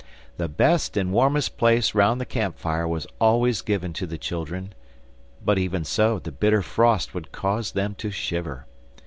The best and warmest place round the camp fire was always given to the children, but even so the bitter frost would cause them to shiver.